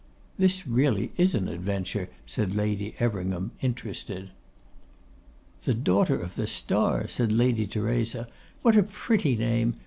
'This is really an adventure,' said Lady Everingham, interested. 'The Daughter of the Star!' said Lady Theresa. 'What a pretty name!